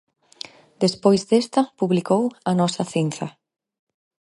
Despois desta publicou "A nosa cinza".